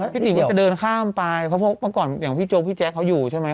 ติงก็จะเดินข้ามไปเพราะเมื่อก่อนอย่างพี่โจ๊กพี่แจ๊คเขาอยู่ใช่ไหม